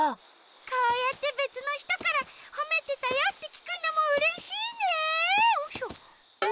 こうやってべつのひとからほめてたよってきくのもうれしいね！